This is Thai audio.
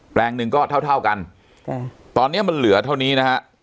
แปลงหนึ่งก็เท่าเท่ากันตอนนี้มันเหลือเท่านี้นะฮะ